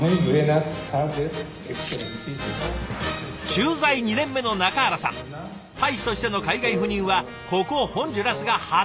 駐在２年目の中原さん大使としての海外赴任はここホンジュラスが初！